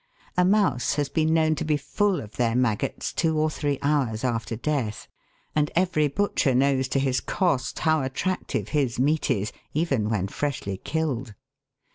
A mouse has been known to be full of their maggots two or three hours after death ; and every butcher knows to his cost how attractive his meat is, even when freshly killed.